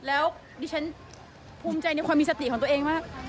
แล้วดิฉันภูมิใจในความมีสติของตัวเองมาก